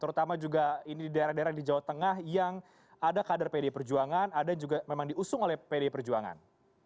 terutama juga ini di daerah daerah di jawa tengah yang ada kader pdi perjuangan ada yang juga memang diusung oleh pd perjuangan